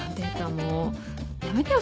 もうやめてよ